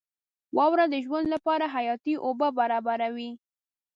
• واوره د ژوند لپاره حیاتي اوبه برابروي.